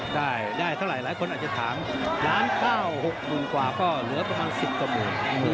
ได้ได้เท่าไหร่หลายคนอาจจะถามล้านเก้าหกหมุนกว่าก็เหลือประมาณสิบกว่าหมู่